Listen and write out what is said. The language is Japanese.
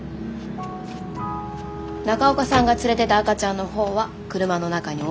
中岡さんが連れてた赤ちゃんのほうは車の中に置いておいた。